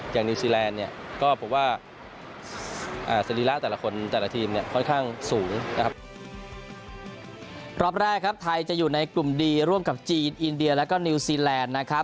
อย่างนิวซีแลนด์เนี่ยก็ผมว่า